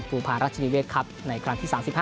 ภูพารัชนิเวศครับในครั้งที่๓๕